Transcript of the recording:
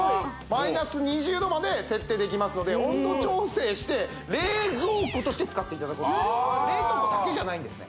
マイナス２０度まで設定できますので温度調整して冷蔵庫として使っていただくこともできるああ冷凍庫だけじゃないんですね